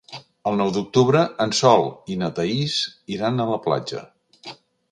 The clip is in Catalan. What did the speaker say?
El nou d'octubre en Sol i na Thaís iran a la platja.